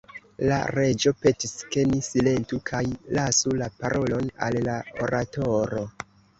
La Reĝo petis, ke ni silentu kaj lasu la parolon al la oratoro.